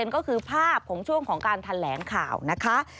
ก็คือภาพของช่วงของการแถลงข่าวนะคะ